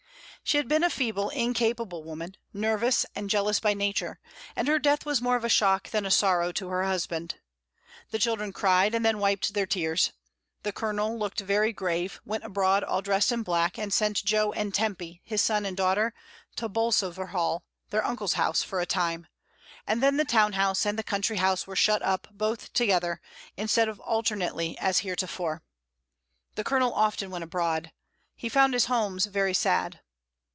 She had been a feeble, incapable woman, nervous, and jealous by nature; and her death was more of a shock than a sorrow to her husband. The children cried, and then wiped their tears; the Colonel looked very grave, went abroad all dressed in black, and sent Jo and Tempy, his son and daughter, to Bolsover Hall, their uncle's house, for a time; and then the town house and the country house were shut up both together, instead of alternately as heretofore. The Colonel often went abroad. He found his homes very sad.